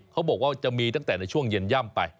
เขาบอกว่าจะมีตั้งแต่ในช่วงเย็นย่ำไป